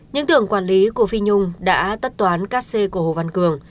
những tưởng quản lý của phi nhung đã tất toán các xê của hồ văn cường